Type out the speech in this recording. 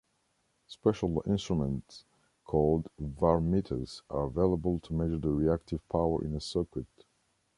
Special instruments called "varmeters" are available to measure the reactive power in a circuit.